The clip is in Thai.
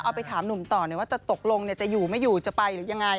ไปถามหนุ่มต่อหน่อยว่าจะตกลงจะอยู่ไม่อยู่จะไปหรือยังไง